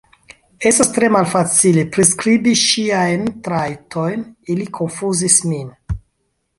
Estas tre malfacile priskribi ŝiajn trajtojn, ili konfuzis min.